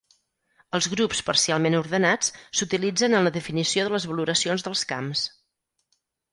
Els grups parcialment ordenats s'utilitzen en la definició de les valoracions dels camps.